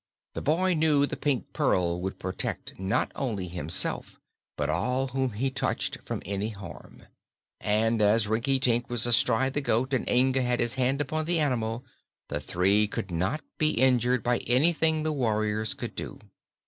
The boy knew the Pink Pearl would protect not only himself, but all whom he touched, from any harm, and as Rinkitink was astride the goat and Inga had his hand upon the animal, the three could not be injured by anything the warriors could do.